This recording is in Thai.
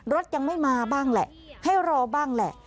รถยังไม่มาบ้างแหละให้รอบ้างแหละ